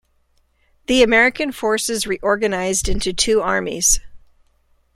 The American forces reorganized into two armies.